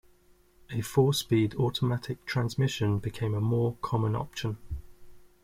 A four-speed automatic transmission became a more common option.